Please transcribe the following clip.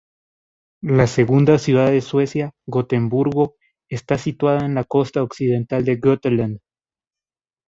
La segunda ciudad de Suecia, Gotemburgo, está situada en la costa occidental de Götaland.